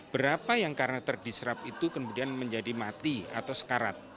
berapa yang karena terdisrap itu kemudian menjadi mati atau sekarat